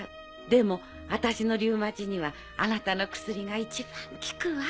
でも私のリューマチにはあなたの薬が一番効くわ。